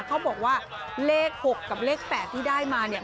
เขาบอกว่าเลข๖กับเลข๘ที่ได้มาเนี่ย